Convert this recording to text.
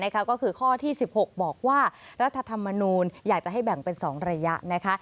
ก็คือข้อที่๑๖บอกว่ารัฐธรรมนูลอยากจะให้แบ่งเป็น๒ระยะนะคะ